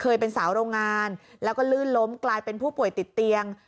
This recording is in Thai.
เป็นสาวโรงงานแล้วก็ลื่นล้มกลายเป็นผู้ป่วยติดเตียง